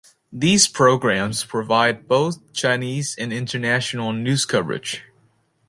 These programmes provide both Chinese and international news coverage.